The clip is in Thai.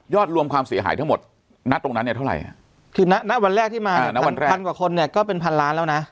รวมความเสียหายทั้งหมดณตรงนั้นเนี่ยเท่าไหร่คือณวันแรกที่มาวันแรกพันกว่าคนเนี่ยก็เป็นพันล้านแล้วนะ